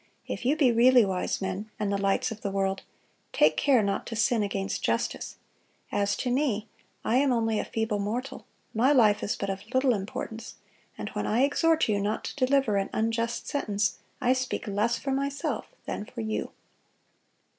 If you be really wise men, and the lights of the world, take care not to sin against justice. As to me, I am only a feeble mortal; my life is but of little importance; and when I exhort you not to deliver an unjust sentence, I speak less for myself than for you."